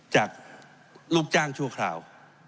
จากลูกจ้างชั่วคราว